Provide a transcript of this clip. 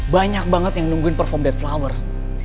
banyak banget yang nungguin perform the flowers